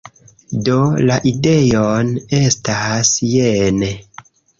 Do, la ideon estas jene: